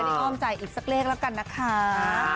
แล้วอ้อมใจอีกสักเลขก่อนนะค้า